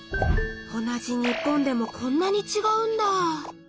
同じ日本でもこんなにちがうんだ！